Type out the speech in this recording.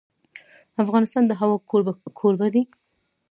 افغانستان د هوا کوربه دی.